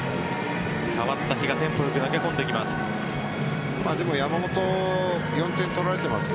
代わった比嘉テンポ良く投げ込んでいきます。